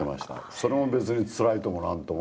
それも別につらいとも何とも。